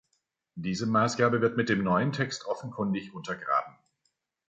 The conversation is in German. Diese Maßgabe wird mit dem neuen Text offenkundig untergraben.